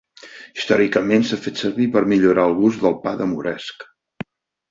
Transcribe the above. Històricament s'ha fet servir per millorar el gust del pa de moresc.